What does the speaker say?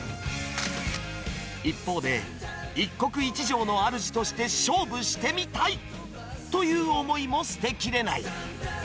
一方で、一国一城のあるじとして勝負してみたいという思いも捨てきれない。